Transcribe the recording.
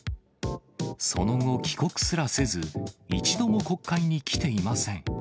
その後、帰国すらせず、一度も国会に来ていません。